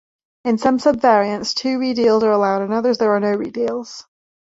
In some sub-variants, two redeals are allowed, in others, there are no redeals.